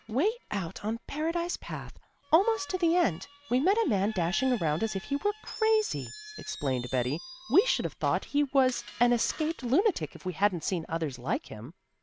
"Way out on Paradise path, almost to the end, we met a man dashing around as if he were crazy," explained Betty. "We should have thought he was an escaped lunatic if we hadn't seen others like him."